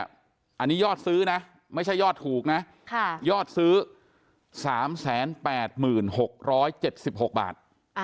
อันนี้ยอดซื้อนะไม่ใช่ยอดถูกนะยอดซื้อ๓๘๖๗๖บาท